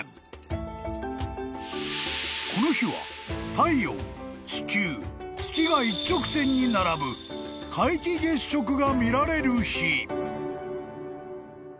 ［この日は太陽地球月が一直線に並ぶ皆既月食が見られる日］